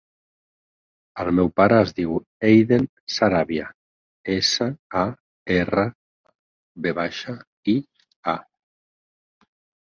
El meu pare es diu Eiden Saravia: essa, a, erra, a, ve baixa, i, a.